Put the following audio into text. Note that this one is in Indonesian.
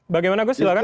bagaimana gus silahkan